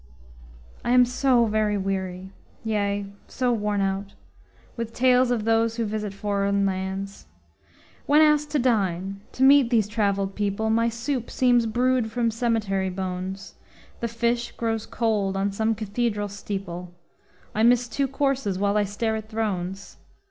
I am so very weary, yea, so worn out, With tales of those who visit foreign lands. When asked to dine, to meet these traveled people, My soup seems brewed from cemetery bones. The fish grows cold on some cathedral steeple, I miss two courses while I stare at thrones.